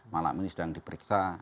malam ini sedang diperiksa